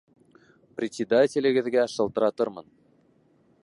Председателегеҙгә шылтыратырмын.